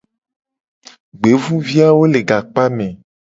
Gbevuviawo le gakpame.